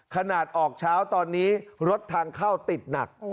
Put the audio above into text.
ขนาดออกเช้าตอนนี้รถทางเข้าติดหนัก